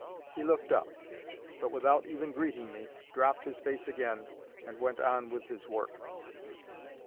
He looked up, but without even greeting me, dropped his face again and went on with his work.